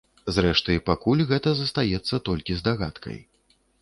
Зрэшты, пакуль гэта застаецца толькі здагадкай.